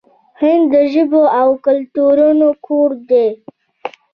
هند د ژبو او کلتورونو کور دی.